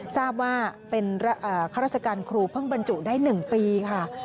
ทราบว่าเป็นข้าราชการครูเพิ่งบรรจุได้๑ปีค่ะ